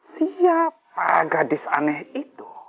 siapa gadis aneh itu